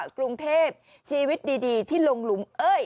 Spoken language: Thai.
กรุงเทพชีวิตดีที่ลงหลุมเอ้ย